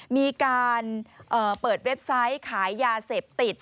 มีการเปิดเว็บไซต์ขายยาเสพติด